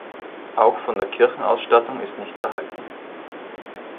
Auch von der Kirchenausstattung ist nichts erhalten.